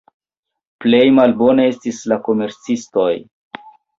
Plej malbone estis al komercistoj.